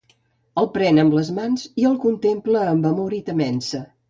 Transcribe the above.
El pren amb les mans i el contempla amb amor i temença.